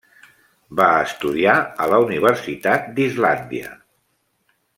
Va estudiar a la Universitat d'Islàndia.